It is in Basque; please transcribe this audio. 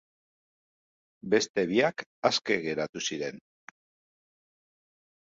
Beste biak aske geratu ziren.